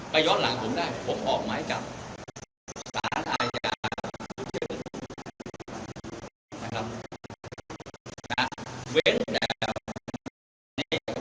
ก็ย้อนหลังผมได้ผมออกหมายจับสารอาจารย์รู้เชื่อนะครับ